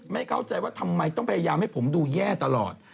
ไม่เข้าใจว่าทำไมต้องพยายามให้ผมดูแย่ตลอด